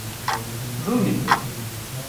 Rûne.